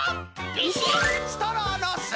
ビシッ！